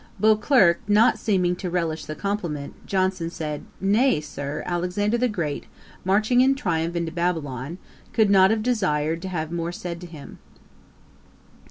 Beauclerk not seeming to relish the compliment, Johnson said, 'Nay, Sir, Alexander the Great, marching in triumph into Babylon, could not have desired to have had more said to him.'